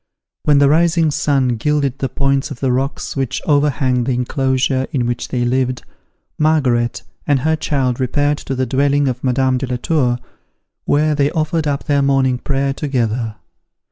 When the rising sun gilded the points of the rocks which overhang the enclosure in which they lived, Margaret and her child repaired to the dwelling of Madame de la Tour, where they offered up their morning prayer together.